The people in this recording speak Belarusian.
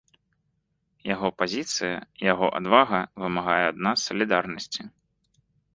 Яго пазіцыя, яго адвага вымагае ад нас салідарнасці.